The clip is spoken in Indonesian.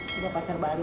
tidak pacar baru ya